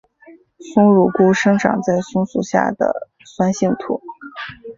松乳菇生长在松树下的酸性土。